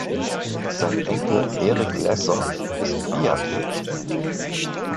Sein Enkel Erik Lesser ist Biathlet.